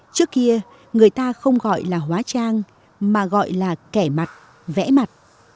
trước kia người ta không gọi là hóa trang mà gọi là kẻ mặt vẽ mặt